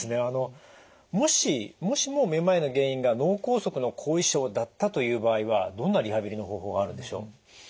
あのもしもしもめまいの原因が脳梗塞の後遺症だったという場合はどんなリハビリの方法があるんでしょう？